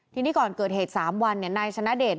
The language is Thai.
ทีนี้ก่อนเกิดเหตุ๓วันนายชนะเดช